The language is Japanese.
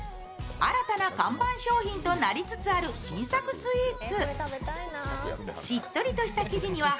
新たな看板商品となりつつある新作スイーツ。